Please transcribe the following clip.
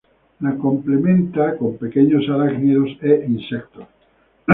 La complementa con pequeños arácnidos e insectos.